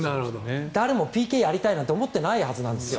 誰もＰＫをやりたいなんて思ってないはずなんですよ。